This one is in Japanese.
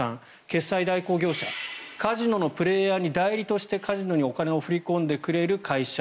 決済代行業者カジノのプレーヤーに代理としてカジノにお金を振り込んでくれる会社。